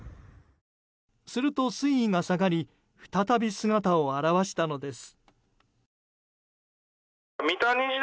すると水位が下がり再び姿を現したのです。